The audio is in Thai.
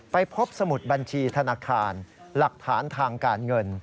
ไปพบสมุดบัญชีธนาคารหลักฐานทางการเงิน